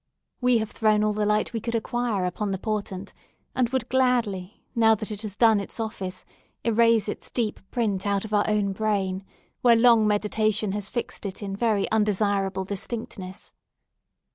We have thrown all the light we could acquire upon the portent, and would gladly, now that it has done its office, erase its deep print out of our own brain, where long meditation has fixed it in very undesirable distinctness.